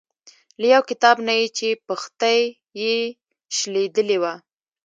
له یو کتاب نه یې چې پښتۍ یې شلیدلې وه.